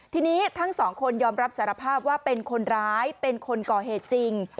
ทีนี้ทั้งสองคนยอมรับสารภาพว่าเป็นคนร้ายเป็นคนก่อเหตุจริง